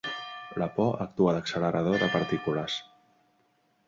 La por actua d'accelerador de partícules.